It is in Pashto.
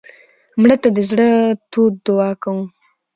مړه ته د زړه تود دعا کوو